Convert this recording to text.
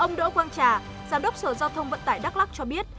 ông đỗ quang trà giám đốc sở giao thông vận tải đắk lắc cho biết